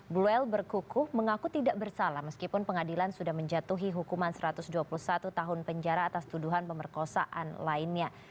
bluel berkukuh mengaku tidak bersalah meskipun pengadilan sudah menjatuhi hukuman satu ratus dua puluh satu tahun penjara atas tuduhan pemerkosaan lainnya